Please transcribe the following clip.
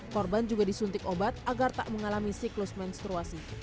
korban juga disuntik obat agar tak mengalami siklus menstruasi